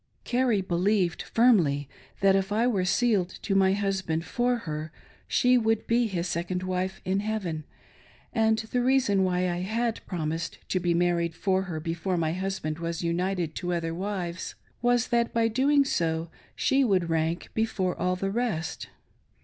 Carrie believed firmly, that if I were sealed to my husband for her, she would be his second wife in heaven ; and the reason why I had promised to be married for her before my husband was united to other wives was, that by so doing, she would rank before all the rest.